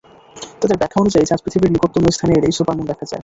তাঁদের ব্যাখ্যা অনুযায়ী, চাঁদ পৃথিবীর নিকটতম স্থানে এলেই সুপারমুন দেখা যায়।